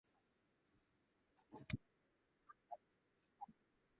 挨拶は大切です。